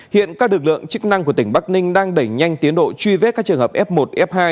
hiện các lực lượng chức năng của tỉnh bắc ninh đang đẩy nhanh tiến độ truy vết các trường hợp f một f hai